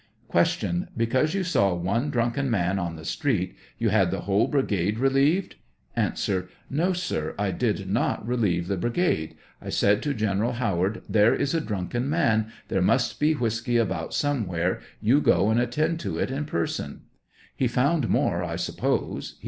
Q. Because you saw one drunken man on the street, you had the whole brigade relieved ? A. No, sir ; I did not relieve the brigade ; I said to General Howard, " there's a druttken man; there mast be whiskey about somewhere, you go and attend to it in person ;" be found more, I suppose ; he.